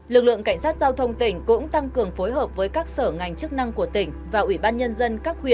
lực lượng cảnh sát giao thông tỉnh cũng tăng cường phối hợp với các sở ngành chức năng của tỉnh và ủy ban nhân dân các huyện